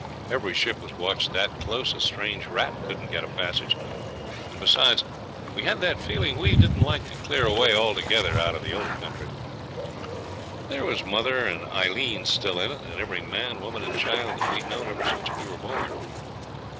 Every ship was watched that close a strange rat couldn't get a passage, and, besides, we had that feeling we didn't like to clear away altogether out of the old country; there was mother and Aileen still in it, and every man, woman, and child that we'd known ever since we were born.